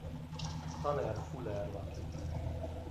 Tanner-Fuller lakik.